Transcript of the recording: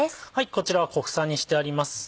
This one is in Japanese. こちらは小房にしてあります。